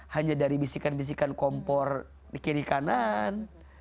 hanya dari bisikan bisikan kompor di kiri kanan